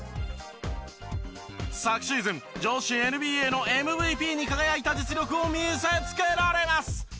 昨シーズン女子ＮＢＡのＭＶＰに輝いた実力を見せつけられます！